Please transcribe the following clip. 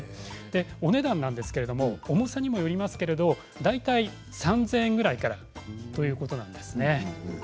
お値段は重さにもよりますけれど大体３０００円ぐらいからということです。